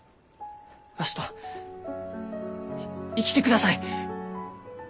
わしと生きてください！